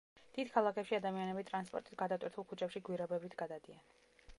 დიდ ქალაქებში ადამიანები ტრანსპორტით გადატვირთულ ქუჩებში გვირაბებით გადადიან.